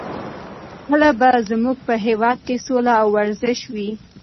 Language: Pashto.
کله به زموږ په هېواد کې سوله او ورزش وي؟